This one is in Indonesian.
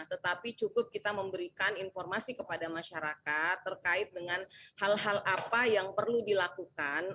tetapi cukup kita memberikan informasi kepada masyarakat terkait dengan hal hal apa yang perlu dilakukan